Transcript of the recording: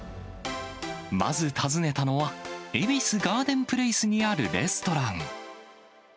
まず訪ねたのは、恵比寿ガーデンプレイスにあるレストラン。